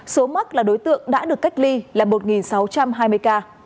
số mắc là đối tượng đã được cách ly là một sáu trăm hai mươi ca